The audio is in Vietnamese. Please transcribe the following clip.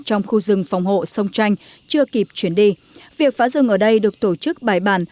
trong khu rừng phòng hộ sông tranh chưa kịp chuyển đi việc phá rừng ở đây được tổ chức bài bản